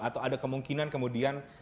atau ada kemungkinan kemudian